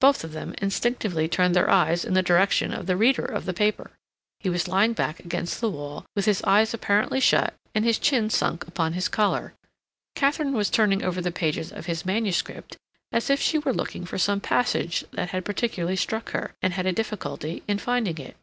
Both of them instinctively turned their eyes in the direction of the reader of the paper. He was lying back against the wall, with his eyes apparently shut, and his chin sunk upon his collar. Katharine was turning over the pages of his manuscript as if she were looking for some passage that had particularly struck her, and had a difficulty in finding it.